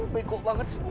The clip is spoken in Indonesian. begok banget sih gue